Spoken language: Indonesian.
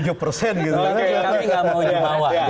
kami nggak maunya bawah